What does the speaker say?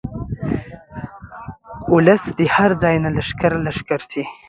اولس دې هر ځاي نه لښکر لښکر راشي.